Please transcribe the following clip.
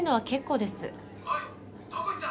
おいどこ行った？